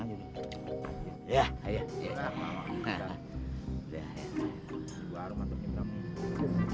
nanti gua aroma terkendang nih